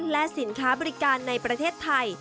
และสินค้าบริการในประเทศไทย